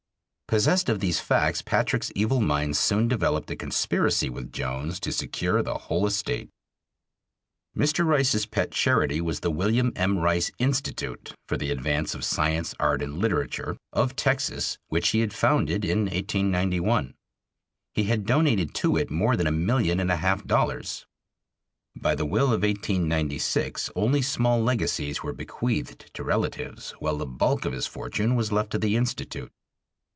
Possessed of these facts Patrick's evil mind soon developed a conspiracy with Jones to secure the whole estate. Mr. Rice's pet charity was the William M. Rice Institute "for the advance of science, art and literature," of Texas, which he had founded in 1891. He had donated to it more than a million and a half dollars. By the will of 1896 only small legacies were bequeathed to relatives, while the bulk of his fortune was left to the Institute.